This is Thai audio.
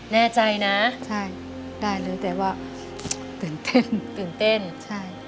แน่ใจนะใช่ได้เลยแต่ว่าตื่นเต้นตื่นเต้นใช่